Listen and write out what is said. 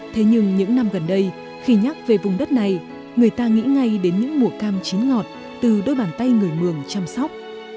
thế nhưng những năm gần đây khi nhắc về vùng đất này người ta nghĩ ngay đến những mùa cam chín ngọt từ đôi bàn tay người mường chăm sóc